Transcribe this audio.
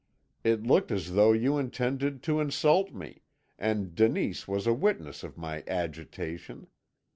It looked as though you intended to insult me, and Denise was a witness of my agitation.